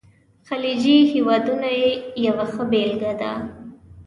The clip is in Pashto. خلیجي هیوادونه یې یوه ښه بېلګه ده.